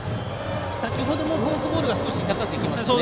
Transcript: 先程もフォークボールが少し高く行きましたね。